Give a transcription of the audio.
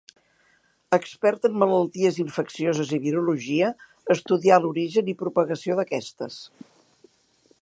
Expert en malalties infeccioses i virologia estudià l'origen i propagació d'aquestes.